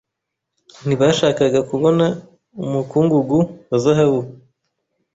Ntibashakaga kubona umukungugu wa zahabu.